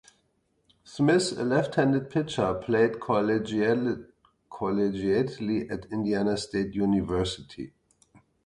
Smith, a left-handed pitcher, played collegiately at Indiana State University.